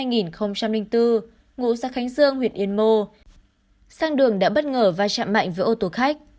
ngụ xã khánh dương huyện yên mô sang đường đã bất ngờ vai trạm mạnh với ô tô khách